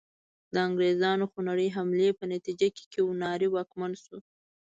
د انګریزانو خونړۍ حملې په نتیجه کې کیوناري واکمن شو.